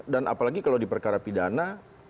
dan apalagi kalau di perkara pidana